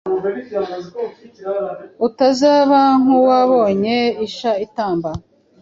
Utazaba nk' uwabonye isha itamba